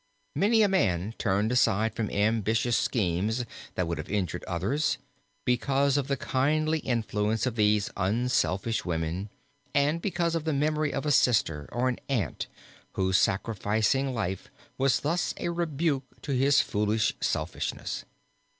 Many a man turned aside from ambitious schemes that would have injured others, because of the kindly influence of these unselfish women and because of the memory of a sister, or an aunt whose sacrificing life was thus a rebuke to his foolish selfishness.